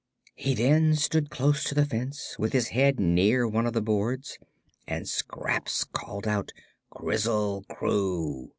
He then stood close to the fence, with his head near one of the boards, and Scraps called out "Krizzle Kroo!"